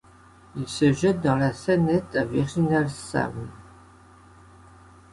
Il se jette dans la Sennette à Virginal-Samme.